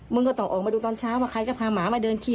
ก็ต้องออกมาดูตอนเช้าว่าใครก็พาหมามาเดินขี้